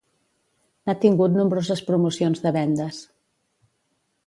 N'ha tingut nombroses promocions de vendes.